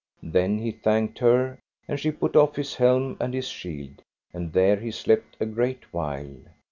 Then he thanked her, and she put off his helm and his shield, and there he slept a great while.